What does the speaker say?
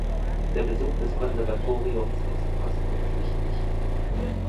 Der Besuch des Konservatoriums ist kostenpflichtig.